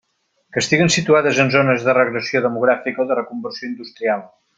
Que estiguen situades en zones de regressió demogràfica o de reconversió industrial.